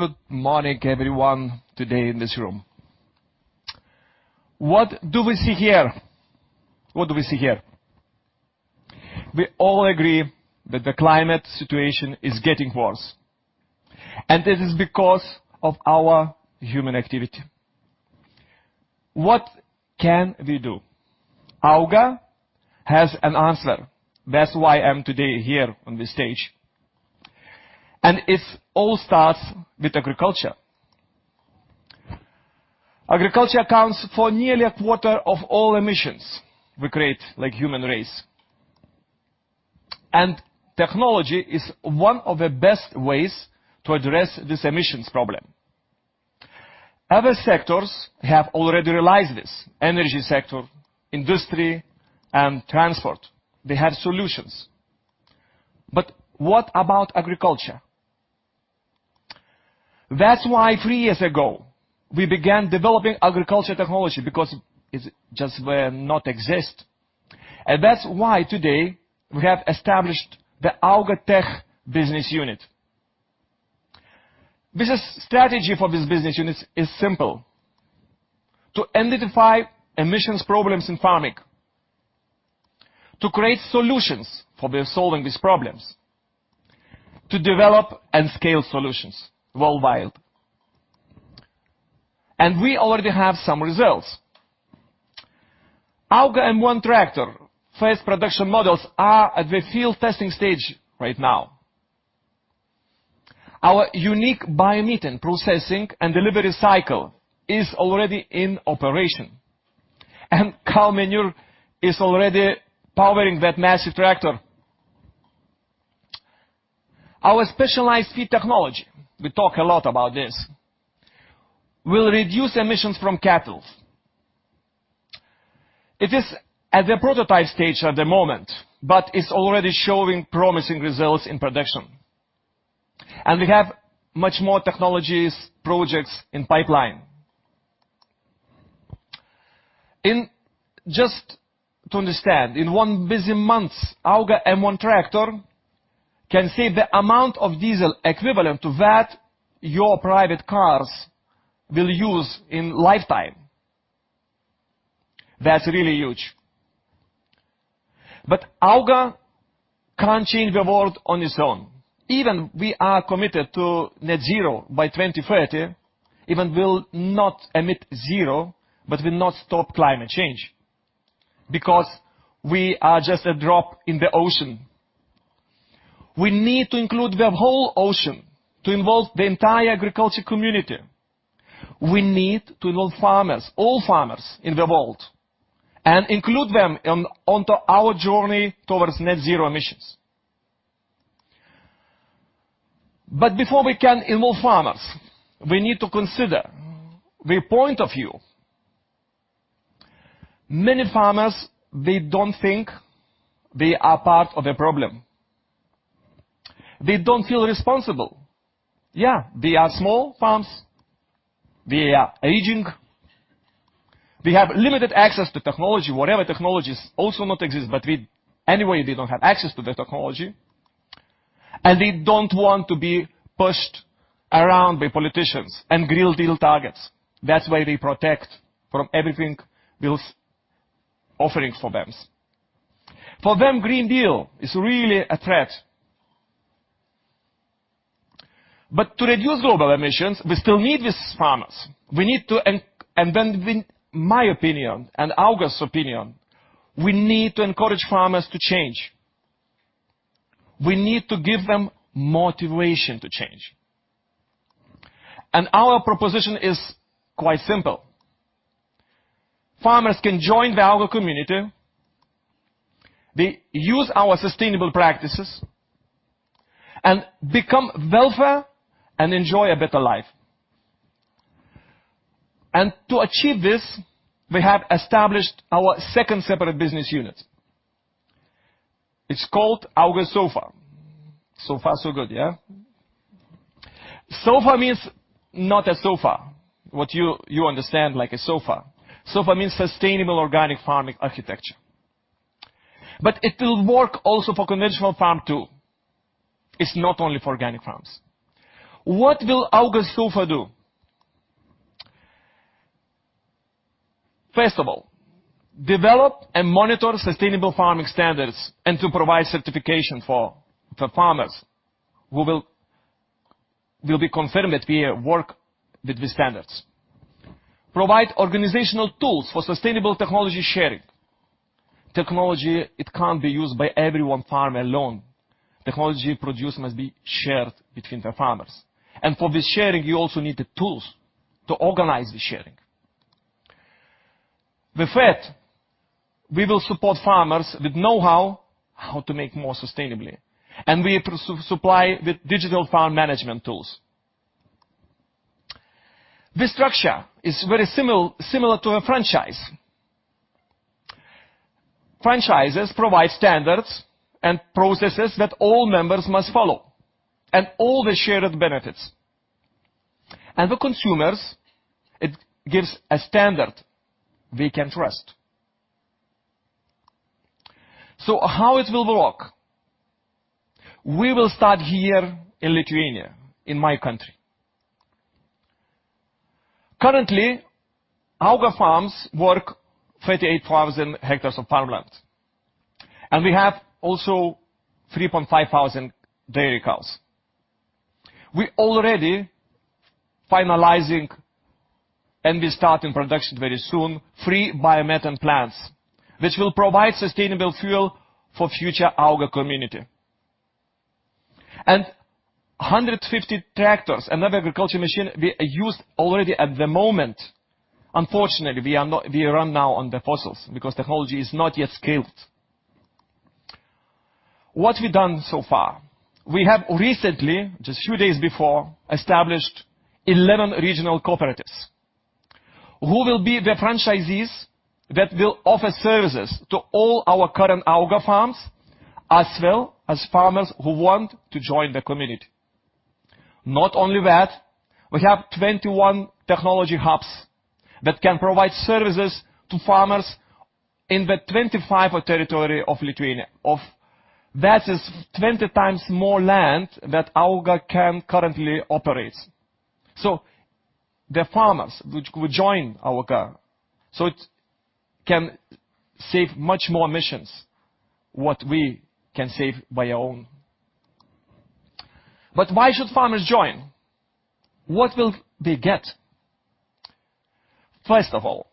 Good morning, everyone, today in this room. What do we see here? What do we see here? We all agree that the climate situation is getting worse. It is because of our human activity. What can we do? AUGA has an answer. That's why I'm today here on this stage. It all starts with agriculture. Agriculture accounts for nearly a quarter of all emissions we create like human race. Technology is one of the best ways to address this emissions problem. Other sectors have already realized this. Energy sector, industry, and transport, they have solutions. What about agriculture? That's why 3 years ago, we began developing agriculture technology because it just not exist. That's why today we have established the Auga Tech business unit. Business strategy for this business unit is simple: to identify emissions problems in farming, to create solutions for solving these problems, to develop and scale solutions worldwide. We already have some results. AUGA M1 tractor, first production models are at the field testing stage right now. Our unique biomethane processing and delivery cycle is already in operation, and cow manure is already powering that massive tractor. Our specialized feed technology, we talk a lot about this, will reduce emissions from cattle. It is at the prototype stage at the moment, but it's already showing promising results in production. We have much more technologies, projects in pipeline. Just to understand, in one busy month, AUGA M1 tractor can save the amount of diesel equivalent to that your private cars will use in lifetime. That's really huge. AUGA can't change the world on its own. Even we are committed to net zero by 2030, even will not emit zero, but will not stop climate change, because we are just a drop in the ocean. We need to include the whole ocean to involve the entire agriculture community. We need to involve farmers, all farmers in the world, and include them on to our journey towards net zero emissions. Before we can involve farmers, we need to consider their point of view. Many farmers, they don't think they are part of the problem. They don't feel responsible. Yeah, they are small farms, they are aging, they have limited access to technology, whatever technologies also not exist, but anyway, they don't have access to the technology, and they don't want to be pushed around by politicians and Green Deal targets. That's why they protect from everything we'll offering for them. For them, Green Deal is really a threat. To reduce global emissions, we still need these farmers. In my opinion, and AUGA's opinion, we need to encourage farmers to change. We need to give them motivation to change. Our proposition is quite simple. Farmers can join the AUGA Community, they use our sustainable practices, and become wealthier and enjoy a better life. To achieve this, we have established our second separate business unit. It's called AUGA SOFA. So far, so good, yeah? SOFA means not a sofa, what you understand, like a sofa. SOFA means Sustainable Organic Farming Architecture. It will work also for conventional farm, too. It's not only for organic farms. What will AUGA SOFA do? First of all, develop and monitor sustainable farming standards, to provide certification for farmers who will be confirmed that we work with the standards. Provide organizational tools for sustainable technology sharing. Technology, it can't be used by every one farm alone. Technology produced must be shared between the farmers, for this sharing, you also need the tools to organize the sharing. The third, we will support farmers with know-how, how to make more sustainably, we supply with digital farm management tools. This structure is very similar to a franchise. Franchises provide standards and processes that all members must follow, all the shared benefits. The consumers, it gives a standard they can trust. How it will work? We will start here in Lithuania, in my country. Currently, AUGA farms work 38,000 hectares of farmland, and we have also 3,500 dairy cows. We already finalizing, and we start in production very soon, 3 biomethane plants, which will provide sustainable fuel for future AUGA Community. 150 tractors and other agriculture machine we use already at the moment. Unfortunately, we run now on the fossils because technology is not yet scaled. What we've done so far? We have recently, just few days before, established 11 regional cooperatives who will be the franchisees that will offer services to all our current AUGA farms, as well as farmers who want to join the community. Not only that, we have 21 technology hubs that can provide services to farmers in the 25 territory of Lithuania. That is 20 times more land that AUGA can currently operates. The farmers which will join AUGA, so it can save much more emissions, what we can save by our own. Why should farmers join? What will they get? First of all,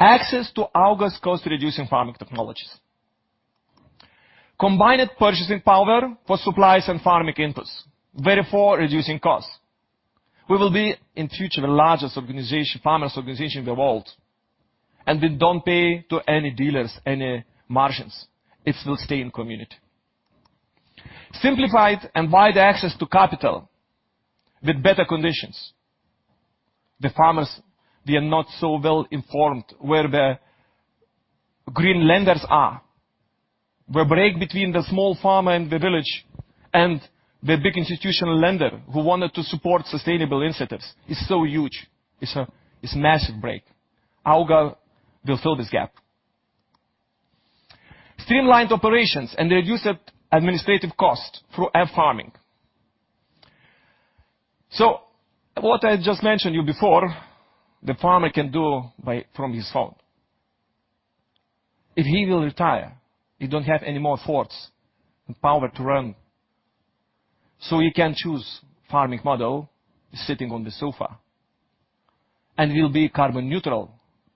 access to AUGA's cost-reducing farming technologies. Combined purchasing power for supplies and farming inputs, therefore reducing costs. We will be, in future, the largest organization, farmers' organization in the world, and we don't pay to any dealers, any margins. It will stay in community. Simplified and wide access to capital with better conditions. The farmers, they are not so well informed where the green lenders are. The break between the small farmer in the village and the big institutional lender who wanted to support sustainable initiatives is so huge. It's a massive break. AUGA will fill this gap. Streamlined operations and reduced administrative costs through farming. What I just mentioned you before, the farmer can do from his phone. If he will retire, he don't have any more thoughts and power to run, he can choose farming model sitting on the sofa and will be carbon-neutral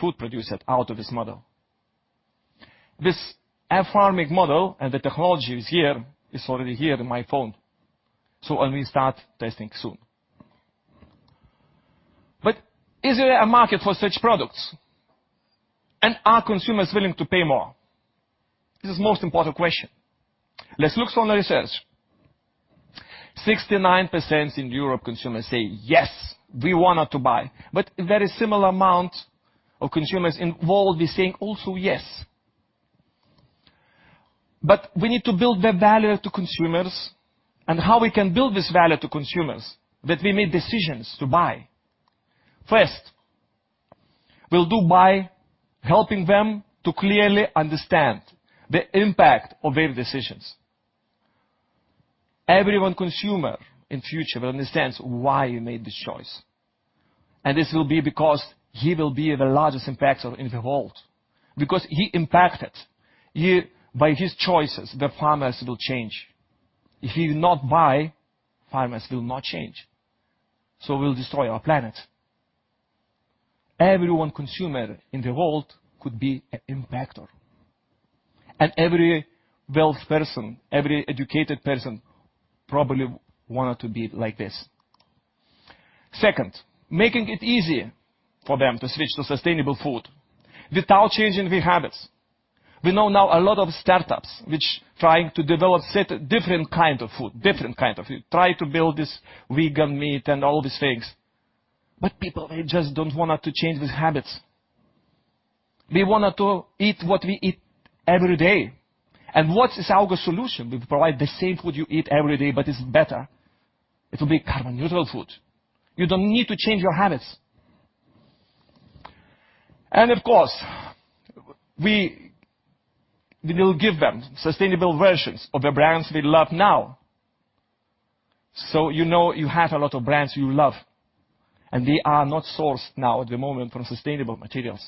food producer out of this model. This farming model and the technology is here, is already here in my phone, we start testing soon. Is there a market for such products? Are consumers willing to pay more? This is most important question. Let's look on the research. 69% in Europe, consumers say, "Yes, we wanted to buy," a very similar amount of consumers in world be saying also, "Yes." We need to build the value to consumers and how we can build this value to consumers, that we made decisions to buy. First, we'll do by helping them to clearly understand the impact of their decisions. Everyone consumer in future will understand why you made this choice, and this will be because he will be the largest impactor in the world. He impacted by his choices, the farmers will change. If he will not buy, farmers will not change, so we'll destroy our planet. Everyone consumer in the world could be an impactor, and every wealth person, every educated person, probably wanted to be like this. Second, making it easy for them to switch to sustainable food without changing their habits. We know now a lot of startups which trying to develop different kind of food, try to build this vegan meat and all these things, but people, they just don't want to change these habits. We wanted to eat what we eat every day. What is AUGA solution? We provide the same food you eat every day, but it's better. It will be carbon-neutral food. You don't need to change your habits. Of course, we will give them sustainable versions of the brands they love now. You know you have a lot of brands you love, and they are not sourced now at the moment from sustainable materials.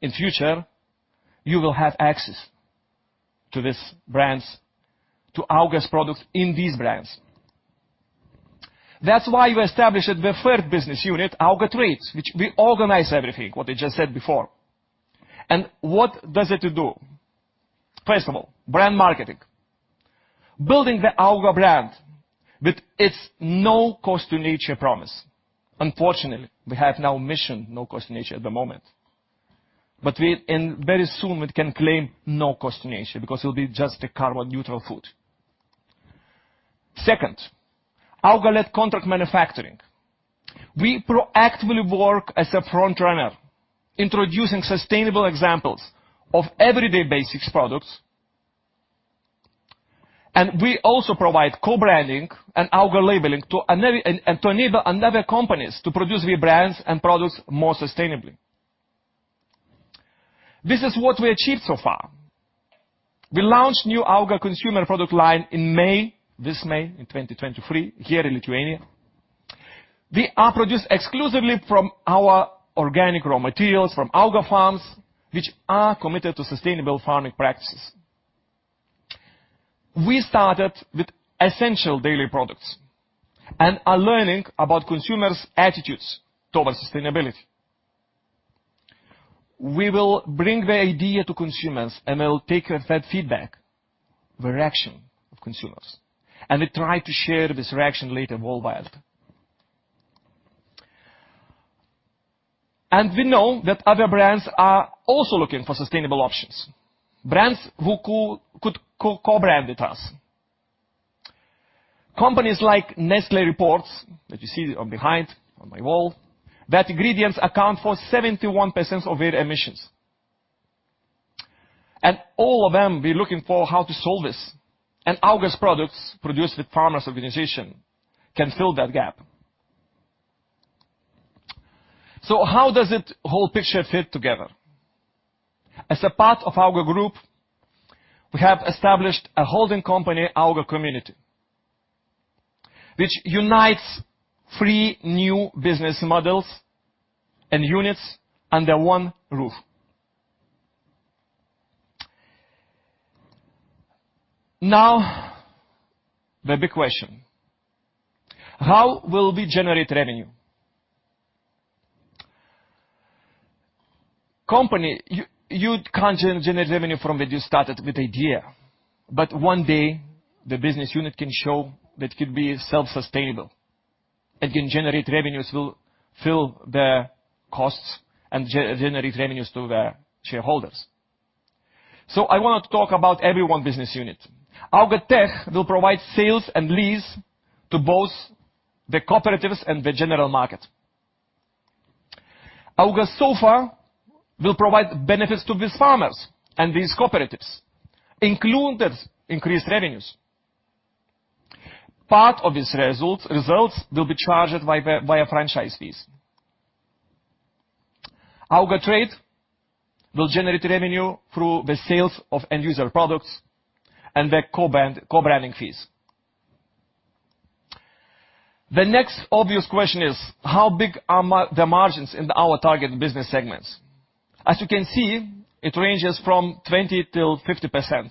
In future, you will have access to these brands, to AUGA's products in these brands. That's why we established the third business unit, Auga Trade, which we organize everything, what I just said before. What does it do? First of all, brand marketing. Building the AUGA brand with its no cost to nature promise. Unfortunately, we have now mission, no cost to nature at the moment, very soon we can claim no cost to nature because it will be just a carbon-neutral food. Second, AUGA led contract manufacturing. We proactively work as a front runner, introducing sustainable examples of everyday basics products. We also provide co-branding and AUGA labeling to enable another companies to produce their brands and products more sustainably. This is what we achieved so far. We launched new AUGA consumer product line in May, this May, in 2023, here in Lithuania. They are produced exclusively from our organic raw materials, from AUGA farms, which are committed to sustainable farming practices. We started with essential daily products, and are learning about consumers' attitudes towards sustainability. We will bring the idea to consumers. They'll take that feedback, the reaction of consumers, and we try to share this reaction later worldwide. We know that other brands are also looking for sustainable options, brands who could co-brand with us. Companies like Nestlé reports, that you see on behind, on my wall, that ingredients account for 71% of their emissions. All of them be looking for how to solve this, and AUGA's products, produced with farmers' organization, can fill that gap. How does it whole picture fit together? As a part of AUGA Group, we have established a holding company, AUGA Community, which unites three new business models and units under one roof. Now, the big question: How will we generate revenue? Company, you can't generate revenue from when you started with idea. One day, the business unit can show that it could be self-sustainable. It can generate revenues will fill the costs and generate revenues to the shareholders. I want to talk about every one business unit. Auga Tech will provide sales and lease to both the cooperatives and the general market. AUGA SOFA will provide benefits to these farmers and these cooperatives, including increased revenues. Part of its results will be charged by a franchise fees. Auga Trade will generate revenue through the sales of end-user products and the co-branding fees. The next obvious question is, how big are the margins in our target business segments? As you can see, it ranges from 20 till 50%,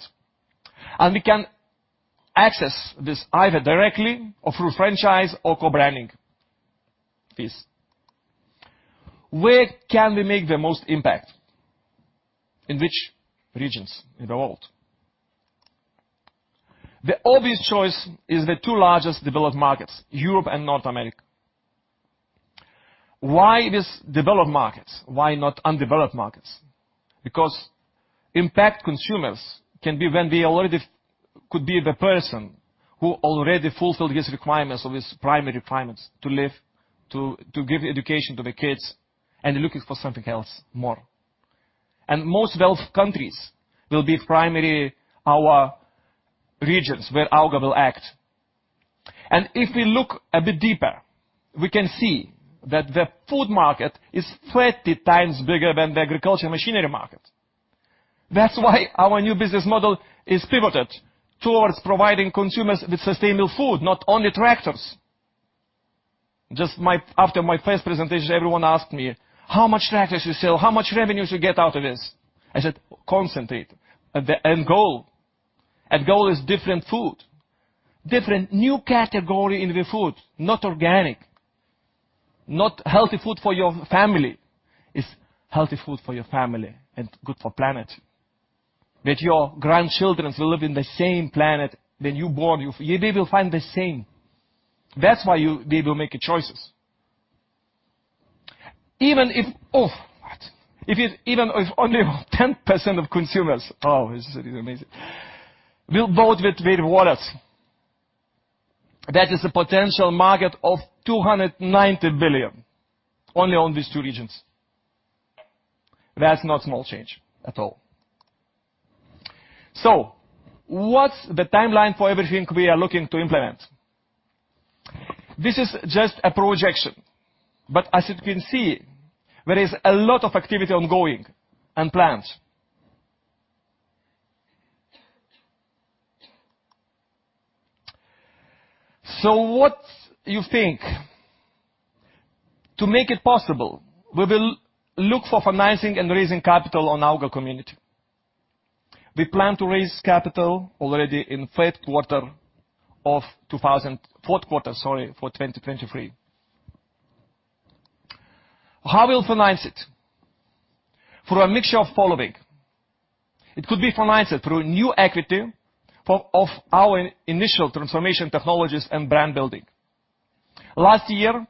we can access this either directly or through franchise or co-branding fees. Where can we make the most impact? In which regions in the world? The obvious choice is the two largest developed markets, Europe and North America. Why these developed markets? Why not undeveloped markets? Impact consumers can be when they already could be the person who already fulfilled his requirements or his primary requirements to live, to give education to the kids, and looking for something else more. Most wealth countries will be primarily our regions where AUGA will act. If we look a bit deeper, we can see that the food market is 30 times bigger than the agriculture machinery market. That's why our new business model is pivoted towards providing consumers with sustainable food, not only tractors. After my first presentation, everyone asked me: "How much tractors you sell? How much revenue you get out of this?" I said, "Concentrate. The end goal is different food, different new category in the food, not organic, not healthy food for your family. It's healthy food for your family and good for planet. That your grandchildren will live in the same planet that you born. They will find the same. That's why they will make choices. Even if only 10% of consumers, this is amazing, will vote with their wallets, that is a potential market of 290 billion only on these two regions. That's not small change at all. What's the timeline for everything we are looking to implement? This is just a projection, but as you can see, there is a lot of activity ongoing and plans. What you think? To make it possible, we will look for financing and raising capital on AUGA Community. We plan to raise capital already in Fourth quarter, sorry, for 2023. How we'll finance it? Through a mixture of following. It could be financed through new equity for of our initial transformation technologies and brand building. Last year,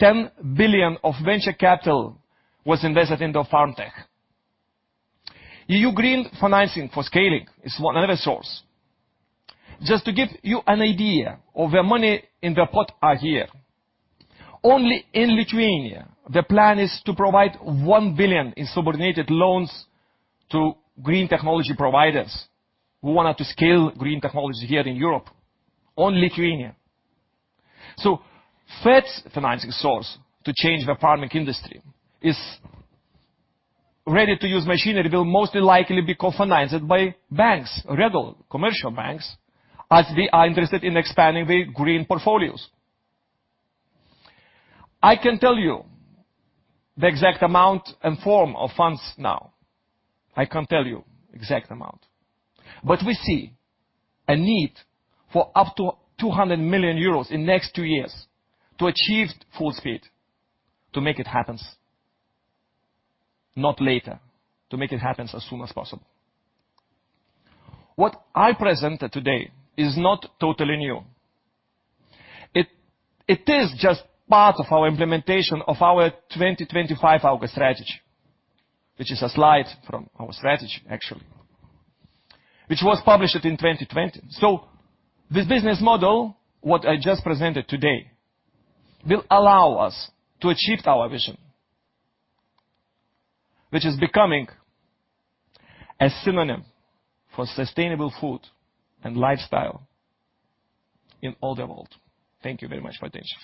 10 billion of venture capital was invested into FarmTech. EU green financing for scaling is one other source. Just to give you an idea of the money in the pot are here. Only in Lithuania, the plan is to provide 1 billion in subordinated loans to green technology providers who wanted to scale green technology here in Europe, on Lithuania. Third financing source to change the farming industry is ready-to-use machinery will most likely be co-financed by banks, regular commercial banks, as they are interested in expanding the green portfolios. I can't tell you the exact amount and form of funds now. I can't tell you exact amount. We see a need for up to 200 million euros in next 2 years to achieve full speed, to make it happens. Not later, to make it happens as soon as possible. What I presented today is not totally new. It is just part of our implementation of our 2025 AUGA strategy, which is a slide from our strategy, actually, which was published in 2020. This business model, what I just presented today, will allow us to achieve our vision, which is becoming a synonym for sustainable food and lifestyle in all the world. Thank you very much for attention.